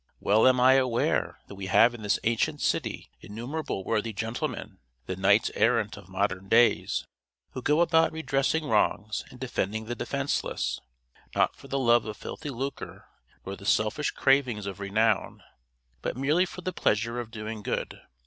Well am I aware that we have in this ancient city innumerable worthy gentlemen, the knights errant of modern days, who go about redressing wrongs and defending the defenceless, not for the love of filthy lucre, nor the selfish cravings of renown, but merely for the pleasure of doing good.